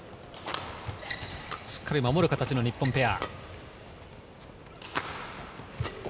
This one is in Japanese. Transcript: しっかり守る形の日本ペア。